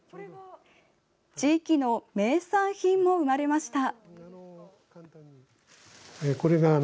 地域の名産品も生まれました。